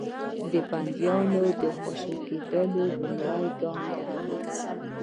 د بندیانو خوشي کېدل لومړی ګام دی.